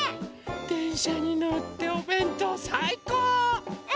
でんしゃにのっておべんとうさいこう！